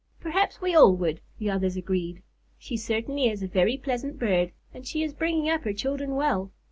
"Perhaps we all would," the others agreed. "She certainly is a very pleasant bird, and she is bringing up her children well.